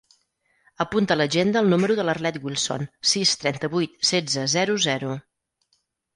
Apunta a l'agenda el número de l'Arlet Wilson: sis, trenta-vuit, setze, zero, zero.